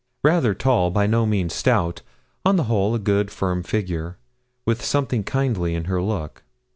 Rather tall, by no means stout, on the whole a good firm figure, with something kindly in her look.